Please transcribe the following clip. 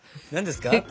何ですか？